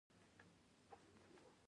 افغانستان د وحشي حیواناتو لپاره مشهور دی.